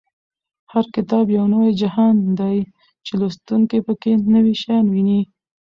هر کتاب یو نوی جهان دی چې لوستونکی په کې نوي شیان ویني.